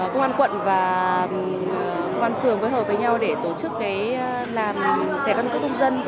công an quận và công an phường với hợp với nhau để tổ chức thẻ căn cước công dân